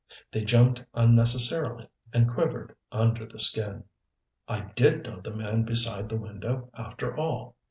They jumped unnecessarily and quivered under the skin. I did know the man beside the window after all.